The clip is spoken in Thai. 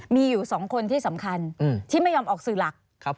มีอยู่๒คนที่สำคัญที่ไม่ยอมออกสื่อหลัก